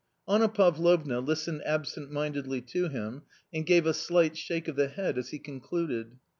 Anna Pavlovna listened absent mindedly to him, and gave a slight shake of the head as he concluded.